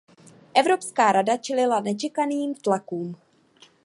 Evropská rada čelila nečekaným tlakům.